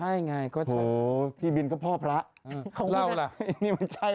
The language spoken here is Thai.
ใช่ไงก็โหพี่บินก็พ่อพระอืมเราล่ะนี่มันใช่หรอ